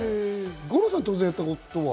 五郎さん、当然、やったことは？